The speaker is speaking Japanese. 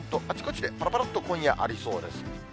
あちこちで、ぱらぱらっと今夜、ありそうです。